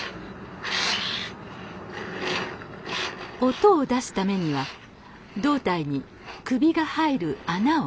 音を出すためには胴体に首が入る穴を開けます。